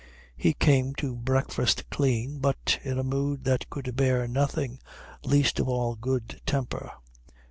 He came to breakfast clean, but in a mood that could bear nothing, least of all good temper.